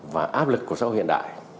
và áp lực của sâu hiện đại